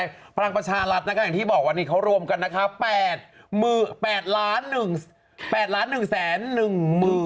เออพลักษณะประชารัฐที่บอกว่านี่เขารวมกันนะคะ๘ล้าน๑แสน๑หมื่นใช่ไหม